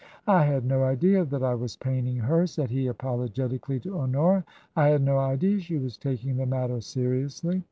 " I had no idea that I was paining her," said he, apolo 192 TRANSITION. getically to Honora. " I had no idea she was taking the matter seriously."